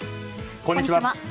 こんにちは。